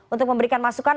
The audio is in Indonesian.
untuk memberikan masukan